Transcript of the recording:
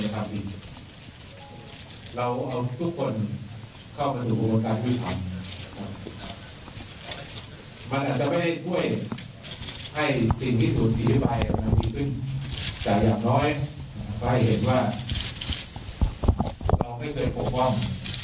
เห็นว่าต้องให้เตรียมปกป้อง